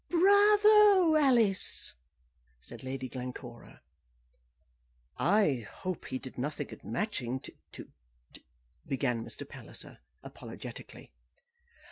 "Bravo, Alice!" said Lady Glencora. "I hope he did nothing at Matching, to to to ," began Mr. Palliser, apologetically.